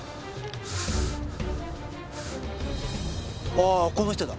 ああこの人だ。